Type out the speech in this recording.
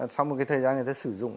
sau một thời gian người ta sử dụng